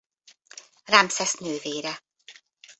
Ramszesz nővére.